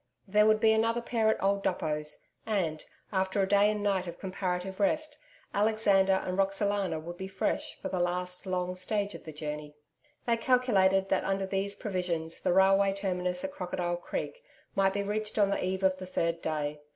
There would be another pair at old Duppo's, and, after a day and night of comparative rest, Alexander and Roxalana would be fresh for the last long stage of the journey. They calculated that under these provisions the railway terminus at Crocodile Creek, might be reached on the eve of the third day.